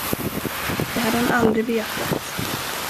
Det hade han aldrig vetat.